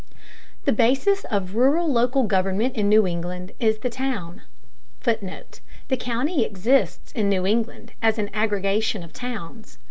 The basis of rural local government in New England is the town. [Footnote: The county exists in New England as an aggregation of towns.